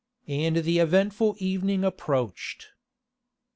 And the eventful evening approached.